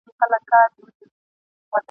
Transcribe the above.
له پېړیو د نړۍ کاروان تیریږي ..